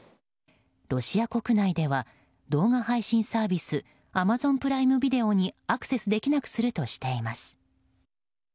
ロシア国内では動画配信サービスアマゾン・プライム・ビデオにアクセスできなくするとしています。